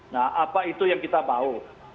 nah apa itu yang kita bau